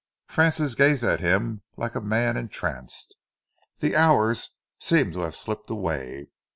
Francis gazed at him like a man entranced. The hours seemed to have slipped away.